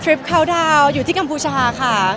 คลิปเขาดาวน์อยู่ที่กัมพูชาค่ะ